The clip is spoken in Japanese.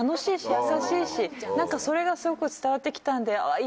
何かそれがすごく伝わって来たんで。